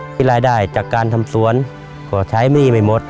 ที่รายได้จากการทำสวนก็ใช้ไม่มีไม่หมด